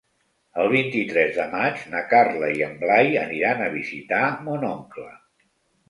El vint-i-tres de maig na Carla i en Blai aniran a visitar mon oncle.